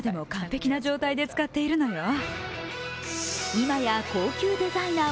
今や高級デザイナー